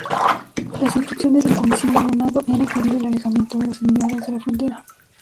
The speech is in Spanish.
Las instrucciones del comisionado eran pedir el alejamiento de los emigrados de la frontera.